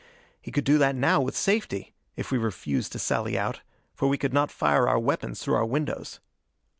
He could do that now with safety if we refused to sally out for we could not fire our weapons through our windows.